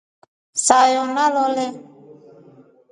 Sayo nalole.